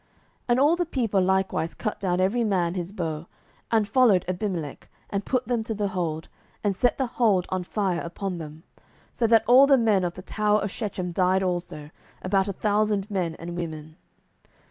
07:009:049 And all the people likewise cut down every man his bough, and followed Abimelech, and put them to the hold, and set the hold on fire upon them; so that all the men of the tower of Shechem died also, about a thousand men and women.